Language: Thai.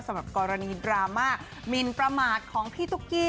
สำหรับกรณีดราม่ามินประมาทของพี่ตุ๊กกี้